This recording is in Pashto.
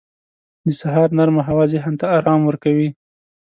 • د سهار نرمه هوا ذهن ته آرام ورکوي.